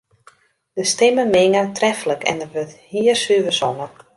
De stimmen minge treflik en der wurdt hiersuver songen.